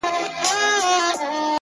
ستا هم د پزي په افسر كي جـادو-